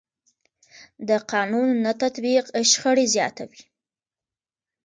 د قانون نه تطبیق شخړې زیاتوي